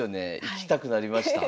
行きたくなりました。